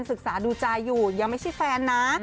ศึกษาดูใจอยู่ยังไม่ใช่แฟนนะ